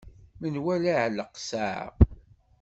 Menwala iɛelleq ssaɛa.